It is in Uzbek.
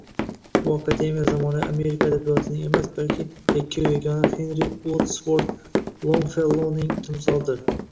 Bu akademiya zamonaviy Amerika adabiyotining emas, balki yakkayu yagona Genri Uodsvort Longfelloning timsolidir